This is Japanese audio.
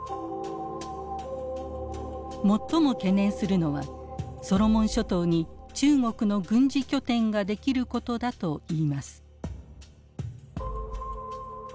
最も懸念するのはソロモン諸島に中国の軍事拠点が出来ることだといいます。